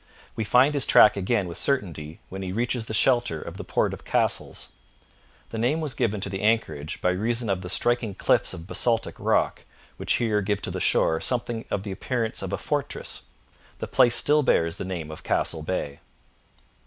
We find his track again with certainty when he reaches the shelter of the Port of Castles. The name was given to the anchorage by reason of the striking cliffs of basaltic rock, which here give to the shore something of the appearance of a fortress. The place still bears the name of Castle Bay.